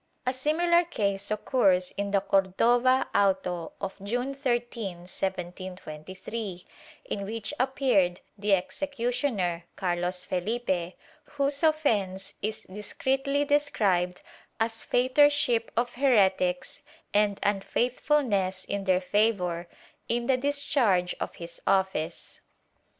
* A similar case occurs in the Cordova auto of June 13, 1723, in which appeared the executioner, Carlos Fehpe, whose offence is discreetly described as fautorship of heretics and un faithfulness in their favor, in the discharge of his office.